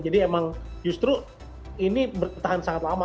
jadi emang justru ini bertahan sangat lama